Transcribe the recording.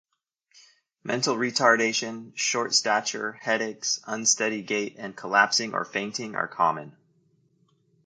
Mental retardation, short stature, headaches, unsteady gait, and collapsing or fainting are common.